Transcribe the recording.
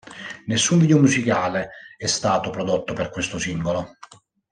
Nessun video musicale è stato prodotto per questo singolo.